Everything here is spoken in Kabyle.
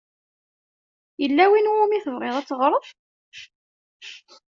Yella win i wumi tebɣiḍ ad teɣṛeḍ?